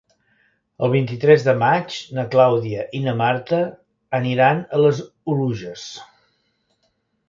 El vint-i-tres de maig na Clàudia i na Marta aniran a les Oluges.